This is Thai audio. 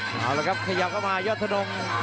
เอาละครับขยับเข้ามายอดทะดง